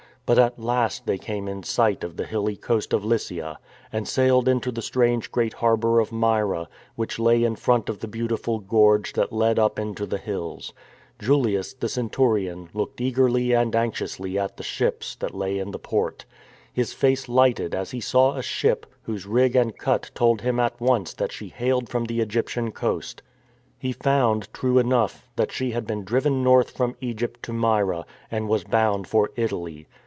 But at last they came in sight of the hilly coast of Lycia, and sailed into the strange great harbour of Myra, which lay in front of the beautiful gorge that led up into the hills. Julius, the centurion, looked eagerly and anxiously at the ships that lay in the port. His face lighted as he saw a ship, whose rig and cut told him at once that she hailed from the Egyptian coast. He found, true enough, that she had been driven north THE TYPHOON 323 from Egypt to Myra, and was bound for Italy.